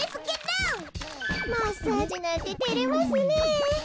マッサージなんててれますねえ。